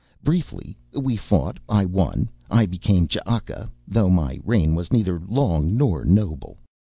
Briefly, we fought, I won, I became Ch'aka, though my reign was neither long nor noble.